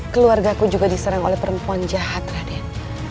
keluarga ku juga diserang oleh perempuan jahat raden